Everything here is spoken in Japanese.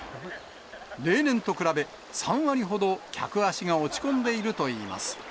例年と比べ、３割ほど客足が落ち込んでいるといいます。